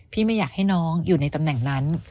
ไม่อยากให้น้องอยู่ในตำแหน่งนั้น